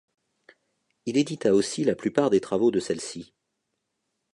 Il édita aussi la plupart des travaux de celle-ci.